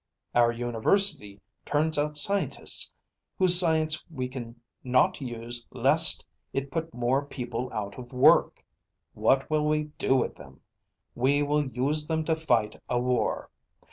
Our university turns out scientists whose science we can not use lest it put more people out of work. What will we do with them? We will use them to fight a war.